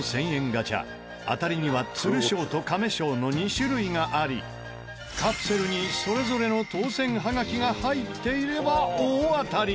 ガチャ当たりには鶴賞と亀賞の２種類がありカプセルにそれぞれの当選ハガキが入っていれば大当たり！